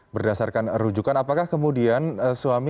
berdasarkan rujukan apakah kemudian suami